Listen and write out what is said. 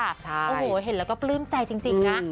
โอ้โหเห็นแล้วก็ปลื้มใจจริงนะ